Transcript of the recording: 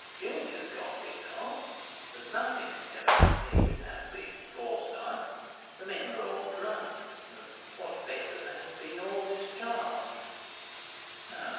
'Julia's got rid of , there's nothing to connect me with that beast Forsyth; the men were all drunk, and (what's better) they've been all discharged.